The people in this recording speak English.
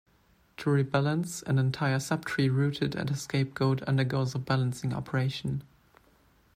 To rebalance, an entire subtree rooted at a scapegoat undergoes a balancing operation.